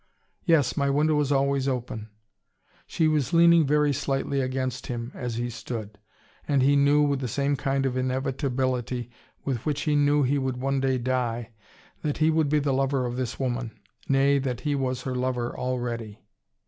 "Yes, my window is always open." She was leaning very slightly against him, as he stood. And he knew, with the same kind of inevitability with which he knew he would one day die, that he would be the lover of this woman. Nay, that he was her lover already.